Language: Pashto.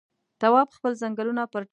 تواب خپل ځنګنونه پر ټټر پورې ټينګ نيولي وو.